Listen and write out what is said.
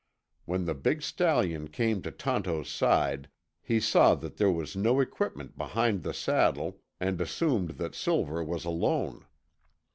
When the big stallion came to Tonto's side, he saw that there was no equipment behind the saddle and assumed that Silver was alone.